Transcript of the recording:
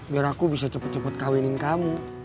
biar aku bisa cepet cepet kawinin kamu